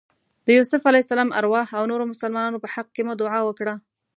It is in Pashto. د یوسف علیه السلام ارواح او نورو مسلمانانو په حق کې مو دعا وکړه.